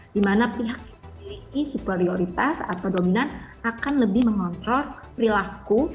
di mana pihak yang memiliki superioritas atau dominan akan lebih mengontrol perilaku